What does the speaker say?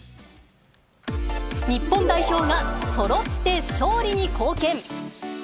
日本代表がそろって勝利に貢献。